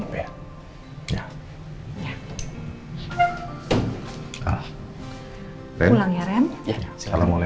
pulang ya rem